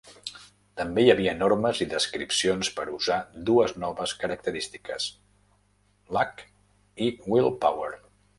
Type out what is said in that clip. També hi havia normes i descripcions per usar dues noves característiques: Luck i Willpower.